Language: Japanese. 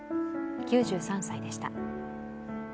９３歳でした。